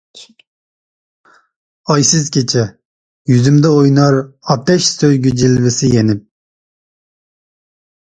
ئايسىز كېچە، يۈزۈمدە ئوينار ئاتەش سۆيگۈ جىلۋىسى يېنىپ.